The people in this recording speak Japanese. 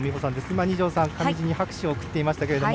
今、二條さんが上地に拍手を送っていましたが。